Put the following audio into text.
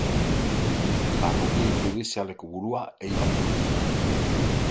Barruti judizialeko burua Eibar da.